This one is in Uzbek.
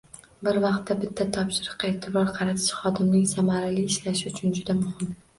Bir vaqtda bitta topshiriqqa e’tibor qaratish hodimning samarali ishlashi uchun juda muhim